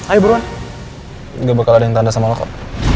ayo buruan nggak bakal ada yang tanda sama lo kok